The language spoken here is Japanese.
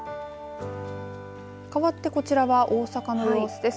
かわってこちらは大阪の様子です。